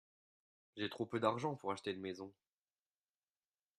J'ai trop peu d'argent pour acheter une maison.